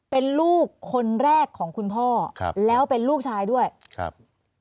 เป็นลูกคนแรกของคุณพ่อครับแล้วเป็นลูกชายด้วยครับ